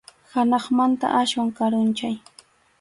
Hanaqmanta aswan karunchay.